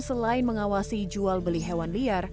selain mengawasi jual beli hewan liar